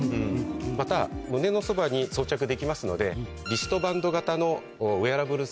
また胸のそばに装着できますのでリストバンド型のウエアラブル